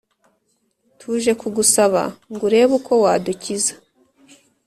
tuje kugusaba ngo urebe uko wadukiza.